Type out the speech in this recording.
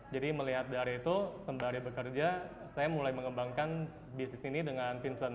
jadi melihat dari itu sembari bekerja saya mulai mengembangkan bisnis ini dengan vincent